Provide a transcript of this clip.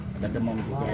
ada demam juga